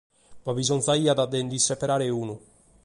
Ma bisongiaiat de nd’isseberare unu.